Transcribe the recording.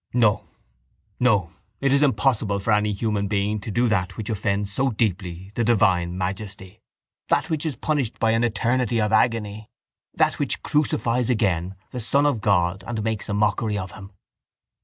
No, no. It is impossible for any human being to do that which offends so deeply the divine Majesty, that which is punished by an eternity of agony, that which crucifies again the Son of God and makes a mockery of Him.